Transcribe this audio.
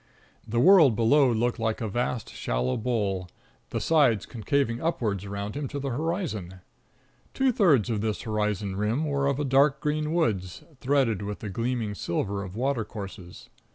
The world below looked like a vast, shallow bowl, the sides concaving upwards around him to the horizon. Two thirds of this horizon rim were of dark green woods, threaded with the gleaming silver of water courses.